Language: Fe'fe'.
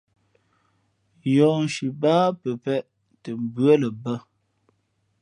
Yǒhnshi báá pəpēʼ tα mbʉά lα bᾱ.